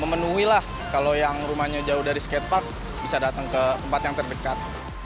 memenuhilah kalau yang rumahnya jauh dari skate park bisa datang ke tempat yang terdekat